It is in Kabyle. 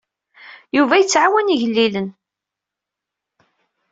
Yuba yettɛawan igellilen.